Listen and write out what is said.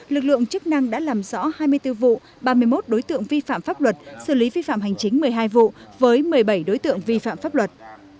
lực lượng chức năng đã làm rõ hai mươi bốn vụ ba mươi một đối tượng vi phạm pháp luật xử lý vi phạm hành chính một mươi hai vụ với một mươi bảy đối tượng vi phạm pháp luật